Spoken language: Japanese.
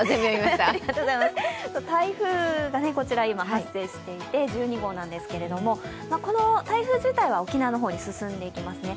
台風が今、発生していて１２号なんですけれどもこの台風自体は沖縄の方に進んでいきますね。